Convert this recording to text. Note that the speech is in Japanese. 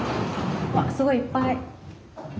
わっすごいいっぱい。